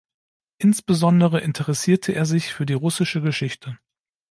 Insbesondere interessierte er sich für die russische Geschichte.